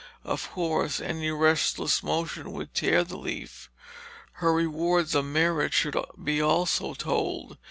Of course any restless motion would tear the leaf. Her rewards of merit should be also told.